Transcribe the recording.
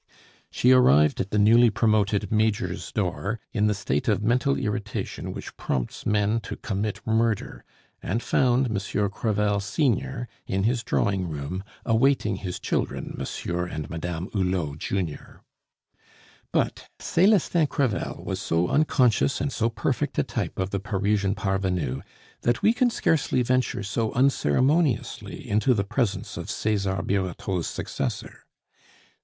She arrived at the newly promoted Major's door in the state of mental irritation which prompts men to commit murder, and found Monsieur Crevel senior in his drawing room awaiting his children, Monsieur and Madame Hulot junior. But Celestin Crevel was so unconscious and so perfect a type of the Parisian parvenu, that we can scarcely venture so unceremoniously into the presence of Cesar Birotteau's successor.